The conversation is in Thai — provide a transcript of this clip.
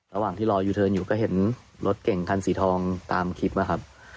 ระหว่างที่รอยูเทิร์นอยู่ก็เห็นรถเก่งคันสีทองตามคลิปนะครับ